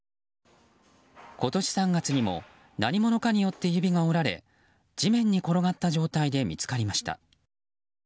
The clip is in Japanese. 今年３月にも何者かによって指が折られ地面に転がった状態で見つかりました。